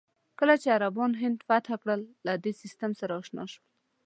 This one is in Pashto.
کله چې عربان هند فتح کړل، له دې سیستم سره اشنا شول.